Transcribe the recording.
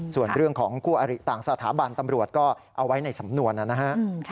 ส่วนเรื่องของคู่อริต่างสถาบันตำรวจก็เอาไว้ในสำนวนนะฮะ